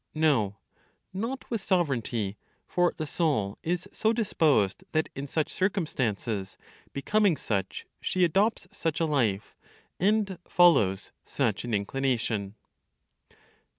No, not with sovereignty; for the soul is so disposed that, in such circumstances becoming such, she adopts such a life, and follows such an inclination.